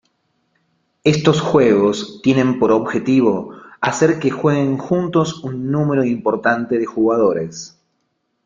Estos juegos tienen por objetivo hacer que jueguen juntos un número importante de jugadores.